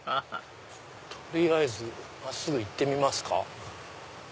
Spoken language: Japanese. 取りあえず真っすぐ行ってみますか。